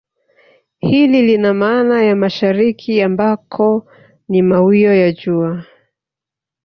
Hili lina maana ya mashariki ambako ni mawio ya jua